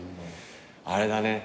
あれだね。